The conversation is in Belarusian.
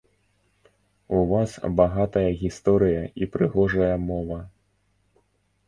У вас багатая гісторыя і прыгожая мова.